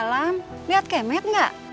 rumah eropa tuh matur